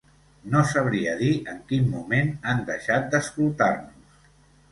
No sabria dir en quin moment han deixat d’escoltar-nos.